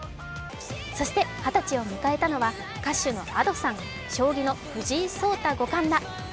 そして二十歳を迎えたのは、歌手のＡｄｏさん、将棋の藤井聡太五冠ら。